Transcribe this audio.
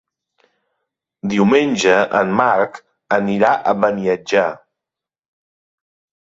Diumenge en Marc anirà a Beniatjar.